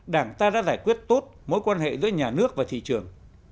đảng ta đã giải quyết tốt mối quan hệ giữa nhà nước và thị trường